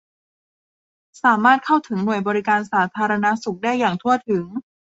สามารถเข้าถึงหน่วยบริการสาธารณสุขได้อย่างทั่วถึง